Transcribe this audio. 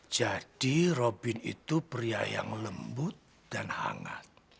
jadi robin itu pria yang lembut dan hangat